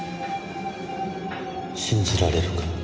信じられるか。